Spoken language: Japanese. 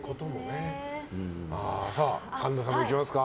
神田さんもいきますか。